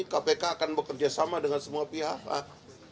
kpk akan bekerja sama dengan semua pihak